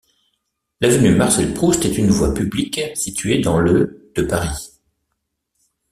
L'avenue Marcel-Proust est une voie publique située dans le de Paris.